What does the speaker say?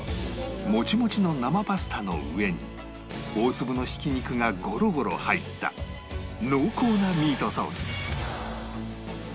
もちもちの生パスタの上に大粒のひき肉がゴロゴロ入った濃厚なミートソース